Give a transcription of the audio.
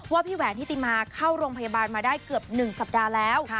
พี่แหวนนิติมาเข้าโรงพยาบาลมาได้เกือบ๑สัปดาห์แล้ว